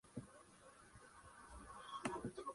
Pero nos daría igual.